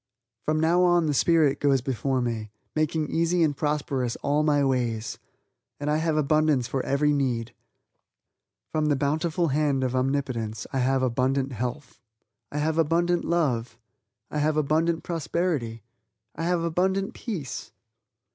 From now on the spirit goes before me making easy and prosperous all my ways and I have abundance for every need. From the bountiful hand of Omnipotence I have abundant health I have abundant love I have abundant prosperity I have abundant peace.